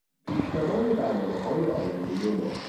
پیشنمای برنامههای آیندهی ما